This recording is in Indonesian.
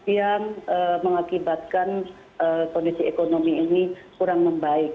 yang mengakibatkan kondisi ekonomi ini kurang membaik